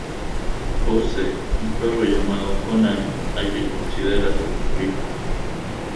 Posee un perro llamado ‘Conan’ a quien considera como su hijo.